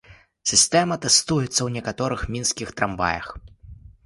Сістэма тэстуецца ў некаторых мінскіх трамваях.